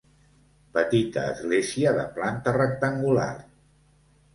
Petita església de planta rectangular.